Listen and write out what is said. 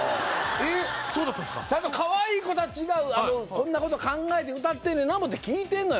えっ？ちゃんとカワイイ子達がこんなこと考えて歌ってんねんな思って聴いてんのよ